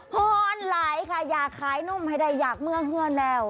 โหนไหลค่ะอยากขายนมให้ได้อยากเมื่อเมืองแล้ว